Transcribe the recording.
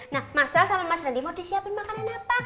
nah mas sal sama mas randy mau disiapin makanan apa